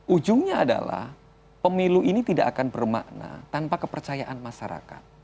ujungnya adalah pemilu ini tidak akan bermakna tanpa kepercayaan masyarakat